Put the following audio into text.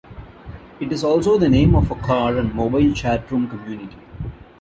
It is also the name of a car and mobile chatroom community.